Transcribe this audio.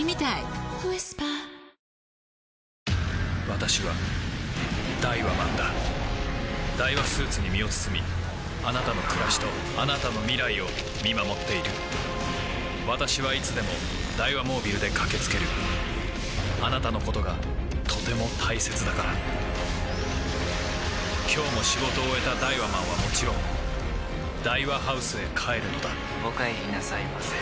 私はダイワマンだダイワスーツに身を包みあなたの暮らしとあなたの未来を見守っている私はいつでもダイワモービルで駆け付けるあなたのことがとても大切だから今日も仕事を終えたダイワマンはもちろんダイワハウスへ帰るのだお帰りなさいませ。